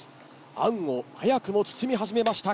あんを早くも包み始めました